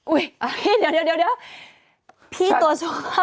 อุ๊ยพี่เดี๋ยวพี่ตรวจสุขภาพ